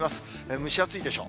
蒸し暑いでしょう。